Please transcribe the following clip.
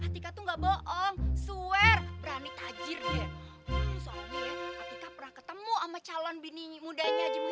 hati katu nggak bohong swear berani tajir ya soalnya ketemu ama calon bini mudanya